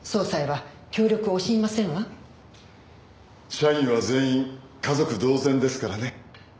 社員は全員家族同然ですからね。